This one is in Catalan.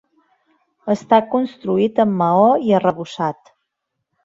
Està construït amb maó i arrebossat.